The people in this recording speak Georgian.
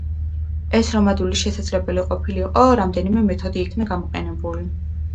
ეს რომ ადვილი შესაძლებელი ყოფილიყო, რამდენიმე მეთოდი იქნა გამოყენებული.